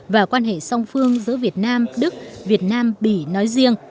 và quan hệ song phương giữa việt nam đức việt nam bỉ nói riêng